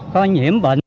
có nhiễm bệnh